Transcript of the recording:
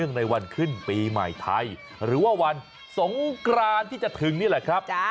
ในวันขึ้นปีใหม่ไทยหรือว่าวันสงกรานที่จะถึงนี่แหละครับ